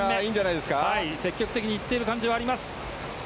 積極的にいっている感じがあります。